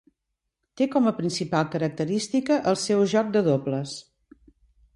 Té com a principal característica el seu joc de dobles.